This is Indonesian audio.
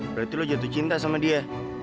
berarti lo jatuh cinta sama dia